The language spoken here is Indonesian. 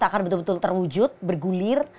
akan betul betul terwujud bergulir